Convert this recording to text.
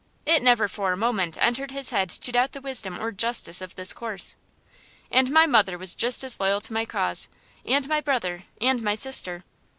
It never for a moment entered his head to doubt the wisdom or justice of this course. And my mother was just as loyal to my cause, and my brother, and my sister.